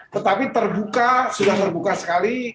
tetapi terbuka sudah terbuka sekali